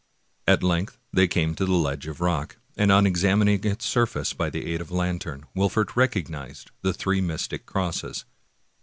At length they came to the ledge of rock, and on examining its surface by the aid of the lantern, Wolfert recognized the three mystic crosses.